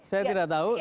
saya tidak tahu